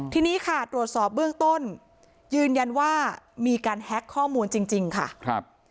ทีนี้ค่ะตรวจสอบเบื้องต้นยืนยันว่ามีการแฮ็กข้อมูลจริงค่ะครับ